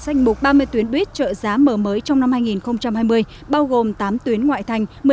danh mục ba mươi tuyến buýt trợ giá mở mới trong năm hai nghìn hai mươi bao gồm tám tuyến ngoại thành